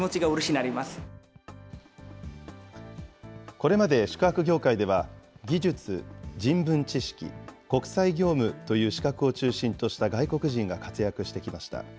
これまで宿泊業界では、技術、人文知識、国際業務という資格を中心とした外国人が活躍してきました。